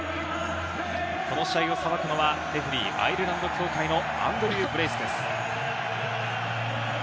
この試合をさばくのはレフェリー、アイルランド協会のアンドリュー・ブレイスです。